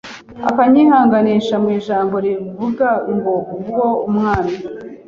akanyihanganisha mu ijambo rivuga ngo ubwo umwami